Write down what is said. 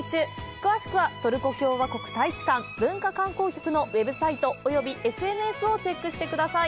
詳しくは、トルコ共和国大使館文化観光局のウェブサイトおよびＳＮＳをチェックしてください！